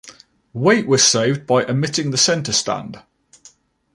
Weight was saved by omitting the centerstand.